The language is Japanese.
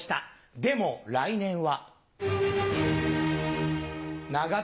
でも来年は。